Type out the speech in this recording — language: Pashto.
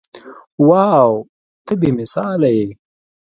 واو ته بې مثاله يې.